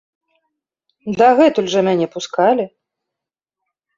Дагэтуль жа мяне пускалі.